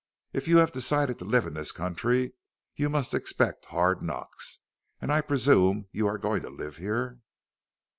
If you have decided to live in this country you must expect hard knocks. And I presume you are going to live here?"